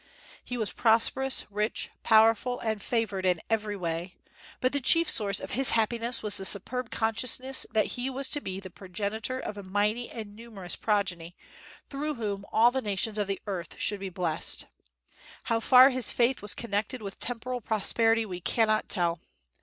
He was prosperous, rich, powerful, and favored in every way; but the chief source of his happiness was the superb consciousness that he was to be the progenitor of a mighty and numerous progeny, through whom all the nations of the earth should be blessed. How far his faith was connected with temporal prosperity we cannot tell.